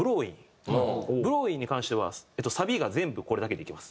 『ＢＬＯＷＩＮ’』に関してはサビが全部これだけでいけます。